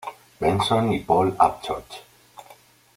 Benson y Paul Upchurch.